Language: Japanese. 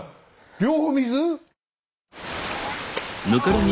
両方水？